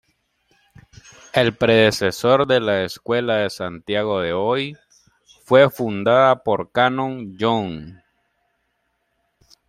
El predecesor de la escuela de Santiago de hoy, fue fundada por Canon Young.